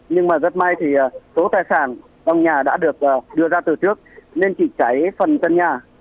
nhưng mà rất may thì số tài sản trong nhà đã được đưa ra từ trước nên chị cháy phần căn nhà